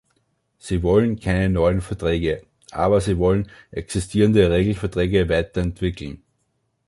Sie wollen keine neuen Verträge, aber sie wollen existierende Regelverträge weiterentwickeln.